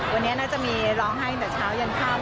วันนี้น่าจะมีร้องไห้ตั้งแต่เช้ายันค่ำ